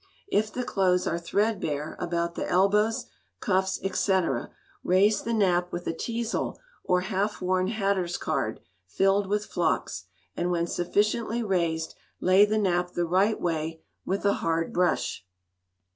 If the clothes are threadbare about the elbows, cuffs, &c., raise the nap with a teasel or half worn hatter's card, filled with flocks, and when sufficiently raised, lay the nap the right way with a hard brush.